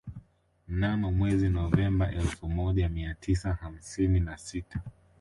Mnamo mwezi Novemba elfu moja mia tisa hamsini na sita